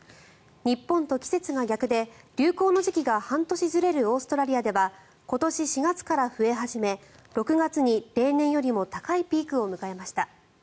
日本と季節が逆で流行の時期が半年ずれるオーストラリアでは今年４月から増え始め６月に例年よりも高いピークを迎えました。